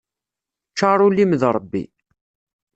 Ččar ul-im d Rebbi.